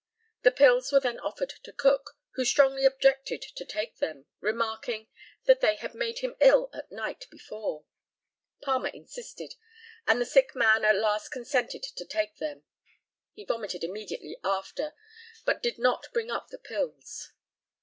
The pills were then offered to Cook, who strongly objected to take them, remarking that they had made him ill the night before. Palmer insisted, and the sick man at last consented to take them. He vomited immediately after, but did not bring up the pills.